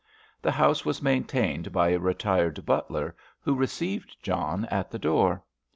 The house was maintained by a retired butler, who received John at the door.